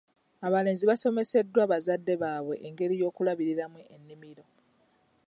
Abalenzi basomesebwa bazadde baabwe engeri y'okulabiriramu ennimiro.